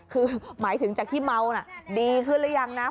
คือหมายถึงจากที่เมาน่ะดีขึ้นหรือยังนะ